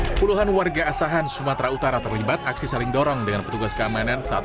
hai puluhan warga asahan sumatera utara terlibat aksi saling dorong dengan petugas keamanan saat